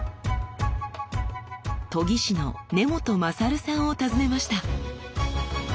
研師の根本卓さんをたずねました。